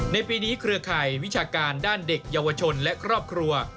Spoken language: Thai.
ในปีนี้เครือข่ายวิชาการด้านเด็กเยาวชนและครอบครัว